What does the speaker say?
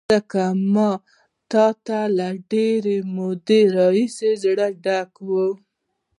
ځکه ما ته یې له ډېرې مودې راهیسې زړه ډک و.